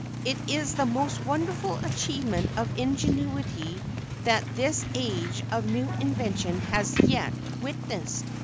It is the most wonderful achievement of ingenuity that this age of new inventions has yet witnessed.